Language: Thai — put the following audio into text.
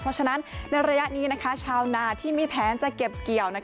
เพราะฉะนั้นในระยะนี้ชาวนาที่มีแผนจะเก็บเกี่ยว